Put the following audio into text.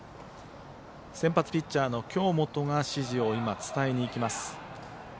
先発ピッチャーの京本が指示を伝えにいきます。